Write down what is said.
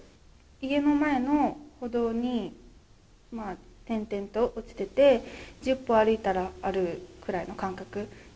家の前の歩道に点々と落ちてて、１０歩歩いたらあるくらいの感覚。